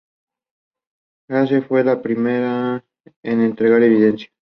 Grace fue la primera en entregar evidencia.